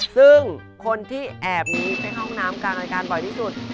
ซึ่งคนที่แอบหนีไปห้องน้ำกลางรายการบ่อยที่สุด